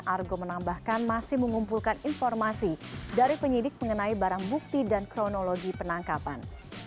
argo menambahkan masih mengumpulkan informasi dari penyidik mengenai barang bukti dan kronologi penangkapan